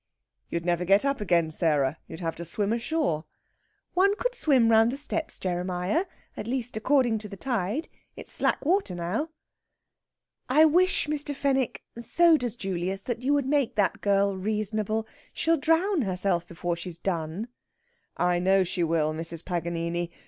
"You'd never get up again, Sarah. You'd have to swim ashore." "One could swim round the steps, Jeremiah at least, according to the tide. It's slack water now." "I wish, Mr. Fenwick (so does Julius) that you would make that girl reasonable. She'll drown herself before she's done." "I know she will, Mrs. Paganini.